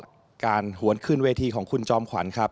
แล้วโดยเฉพาะการหวนขึ้นเวทีของคุณจ้อมขวัญครับ